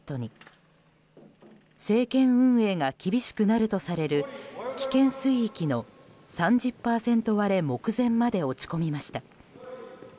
政権運営が厳しくなるとされる危険水域の３０％割れ目前まで落ち込みました。